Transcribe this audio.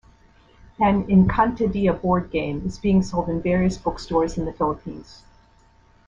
An Encantadia board game is being sold in various bookstores in the Philippines.